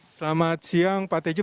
selamat siang pak tejo